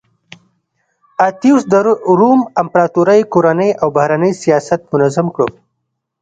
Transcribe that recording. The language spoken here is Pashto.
اتیوس د روم امپراتورۍ کورنی او بهرنی سیاست منظم کړ